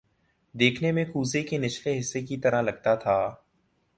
دیکھنے میں کوزے کے نچلے حصے کی طرح لگتا تھا